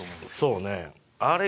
そうね。